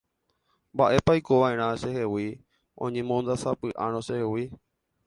Mba'épa oikova'erã chehegui oñemondasapy'árõ chehegui